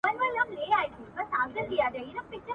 نه یې زور نه یې منګول د چا لیدلی ..